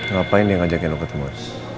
ngapain dia ngajakin lo ketemu